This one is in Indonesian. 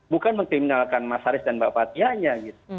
bukan mengkriminalkan mas haris dan pak fathianya